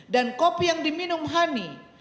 dan kopi yang diminum honey